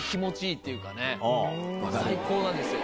最高なんですよ！